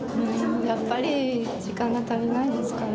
やっぱり時間が足りないですから。